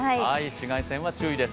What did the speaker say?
紫外線は注意です。